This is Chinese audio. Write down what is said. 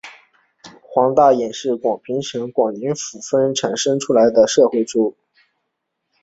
黄大秉是广平省广宁府丰富县春来总春来社出生。